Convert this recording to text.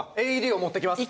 ＡＥＤを持ってきます。